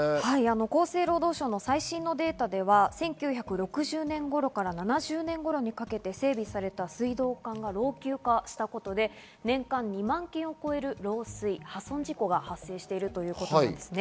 厚生労働省の最新データでは１９６０年頃から７０年頃にかけて整備された水道管が老朽化したことで年間２万件を超える漏水、破損事故が発生しているということです。